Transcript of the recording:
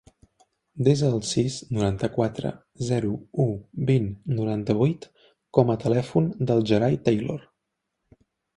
Desa el sis, noranta-quatre, zero, u, vint, noranta-vuit com a telèfon del Gerai Taylor.